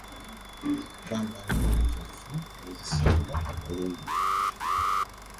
Twambala engoye zaffe ezisinga obulungi.